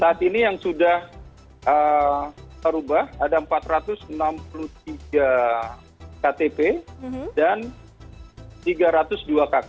saat ini yang sudah terubah ada empat ratus enam puluh tiga ktp dan tiga ratus dua kk